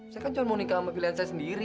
saya kan cuma mau nikah sama pilihan saya sendiri